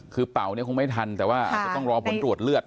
คือเป่าคงไม่ทันแต่ว่าจะต้องรอบนตรวจเลือด